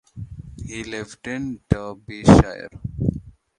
He lived in Derbyshire.